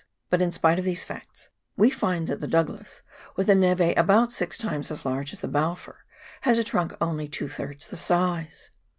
But in spite of these facts we find that the Douglas, with a neve about six times as large as the Balfour, has a trunk only two thirds the size.